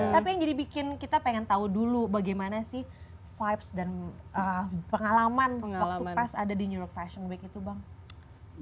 tapi yang jadi bikin kita pengen tahu dulu bagaimana sih vibes dan pengalaman waktu pas ada di new york fashion week itu bang